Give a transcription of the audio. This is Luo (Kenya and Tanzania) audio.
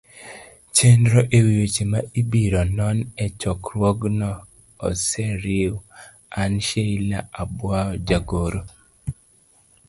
chenro e wi weche ma ibiro non e chokruogno oseriw. an, Sheila Abwao jagoro